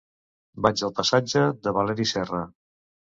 Vaig al passatge de Valeri Serra.